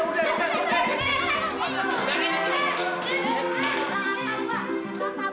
woi jangan jangan woi